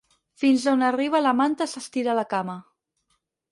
Fins on arriba la manta s'estira la cama.